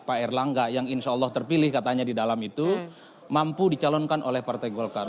dua ribu dua puluh empat pak erlangga yang insya allah terpilih katanya di dalam itu mampu dicalonkan oleh partai golkar